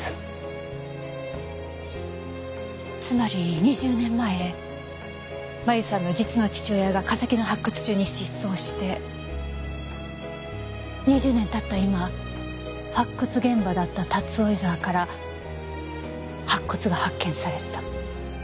つまり２０年前麻由さんの実の父親が化石の発掘中に失踪して２０年経った今発掘現場だった竜追沢から白骨が発見された。